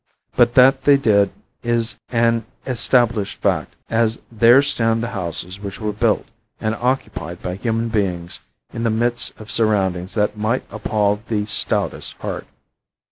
But that they did is an established fact as there stand the houses which were built and occupied by human beings in the midst of surroundings that might appall the stoutest heart.